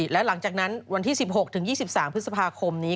และหลังจากนั้นวันที่๑๖๒๓พฤษภาคมนี้